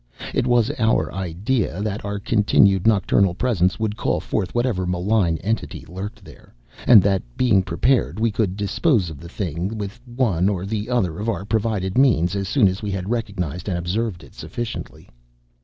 It was our idea that our continued nocturnal presence would call forth whatever malign entity lurked there; and that being prepared, we could dispose of the thing with one or the other of our provided means as soon as we had recognized and observed it sufficiently.